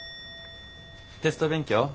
テスト勉強？